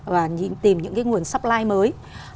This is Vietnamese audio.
và tìm những cái nguồn supply mới